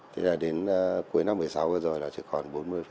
thế là đến cuối năm hai nghìn một mươi sáu vừa rồi là chỉ còn bốn mươi hai mươi tám